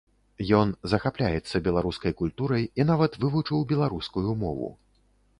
Ён захапляецца беларускай культурай і нават вывучыў беларускую мову.